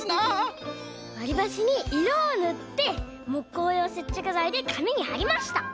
わりばしにいろをぬってもっこうようせっちゃくざいでかみにはりました。